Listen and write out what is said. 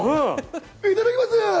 いただきます。